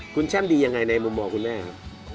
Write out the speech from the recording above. คุณแช่มดียังไงในมุมมองคุณแม่ครับ